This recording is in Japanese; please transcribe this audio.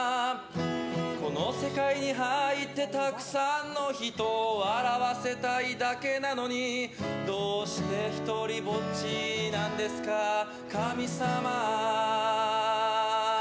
この世界に入ってたくさんの人を笑わせたいだけなのにどうして一人ぼっちなんですか神様。